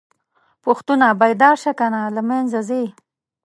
پښتونه!! بيدار شه کنه له منځه ځې